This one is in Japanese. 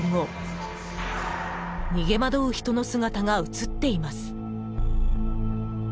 ［逃げ惑う人の姿が写っています］